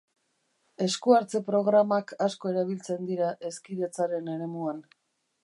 Esku-hartze programak asko erabiltzen dira hezkidetzaren eremuan.